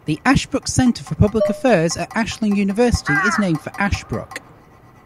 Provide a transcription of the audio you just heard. The Ashbrook Center for Public Affairs at Ashland University is named for Ashbrook.